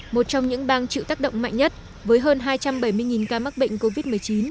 một trong những bang chịu tác động mạnh nhất với hơn hai trăm bảy mươi ca mắc bệnh covid một mươi chín